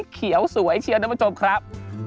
เขียวสวยเชียวท่านผู้ชมครับ